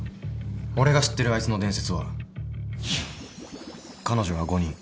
俺が知ってるあいつの伝説は彼女が５人。